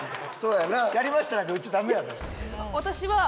「やりました」なんか言っちゃダメやで。